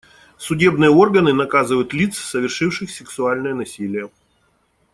Судебные органы наказывают лиц, совершивших сексуальное насилие.